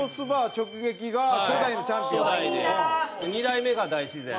２代目が大自然。